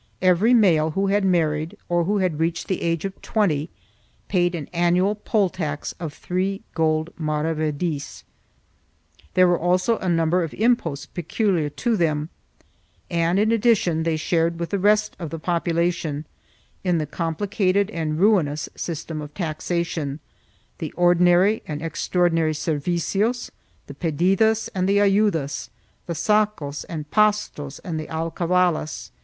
Every male who had married, or who had reached the age of 20, paid an annual poll tax of three gold maravedis; there were also a number of im posts peculiar to them, and, in addition, they shared with the rest of the population in the complicated and ruinous system of taxation — the ordinary and extraordinary servicios, the pedi das and ayudas, the sacos and pastos and the alcavalas.